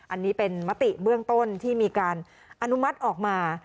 อันนี้เป็นมติเบื้องต้นที่มีการอนุมัติออกมา